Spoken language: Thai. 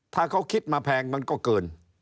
ถ้าเขาคิดมาแพงมันก็เกิน